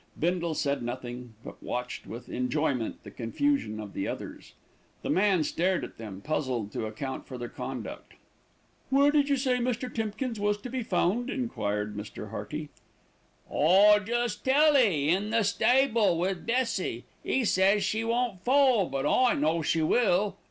Bindle said nothing; but watched with enjoyment the confusion of the others. The man stared at them, puzzled to account for their conduct. "Where did you say Mr. Timkins was to be found?" enquired Mr. Hearty. "I just tell ee, in the stable wi' Bessie. 'E says she won't foal; but I know she will.